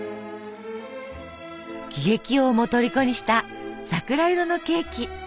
喜劇王もとりこにした桜色のケーキ。